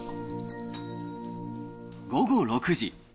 午後６時。